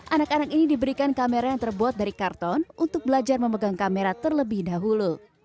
anak anak ini diberikan kamera yang terbuat dari karton untuk belajar memegang kamera terlebih dahulu